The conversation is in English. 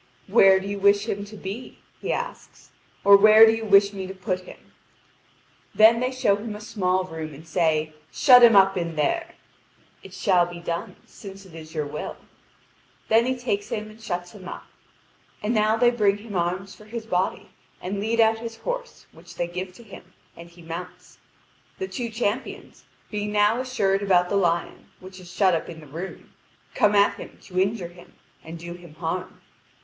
"Where do you wish him to be?" he asks, "or where do you wish me to put him?" Then they show him a small room, and say: "Shut him up in there." "It shall be done, since it is your will." Then he takes him and shuts him up. And now they bring him arms for his body, and lead out his horse, which they give to him, and he mounts. The two champions, being now assured about the lion, which is shut up in the room, come at him to injure him and do him harm.